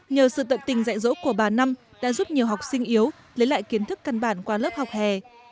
nhờ sự tận tình dạy dỗ của bà năm đã giúp nhiều học sinh yếu lấy lại kiến thức căn bản qua lớp học hè